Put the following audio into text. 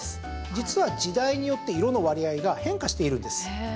実は、時代によって色の割合が変化しているんです。